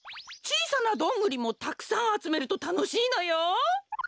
ちいさなどんぐりもたくさんあつめるとたのしいのよ！